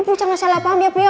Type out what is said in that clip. ibu jangan salah paham ya bu ya